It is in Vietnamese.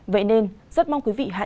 vậy nên rất mong quý vị hiểu thêm